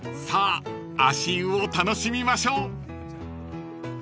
［さあ足湯を楽しみましょう］